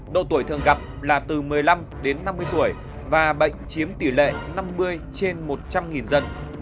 độ tuổi thường gặp là từ một mươi năm đến năm mươi tuổi và bệnh chiếm tỷ lệ năm mươi trên một trăm linh dân